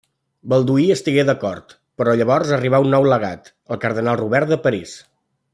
Balduí estigué d'acord, però llavors arribà un nou legat, el cardenal Robert de París.